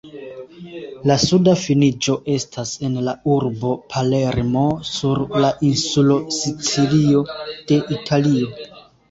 La suda finiĝo estas en la urbo Palermo sur la insulo Sicilio de Italio.